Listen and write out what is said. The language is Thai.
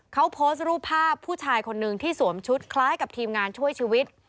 เขาโพสต์รูปภาพผู้ชายคนหนึ่งที่สวมชุดคล้ายกับทีมงานช่วยชีวิต